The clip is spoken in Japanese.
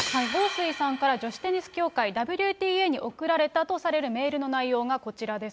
彭帥さんから女子テニス協会・ＷＴＡに送られたとされるメールの内容がこちらです。